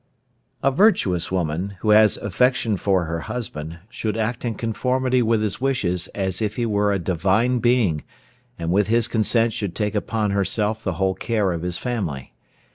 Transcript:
A virtuous woman, who has affection for her husband, should act in conformity with his wishes as if he were a divine being, and with his consent should take upon herself the whole care of his family.